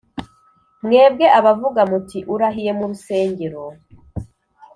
mwebwe abavuga muti urahiye mu rusengero